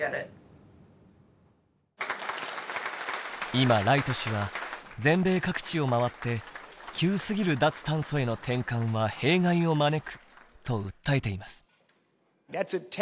今ライト氏は全米各地を回って「急すぎる脱炭素への転換は弊害を招く」と訴えています。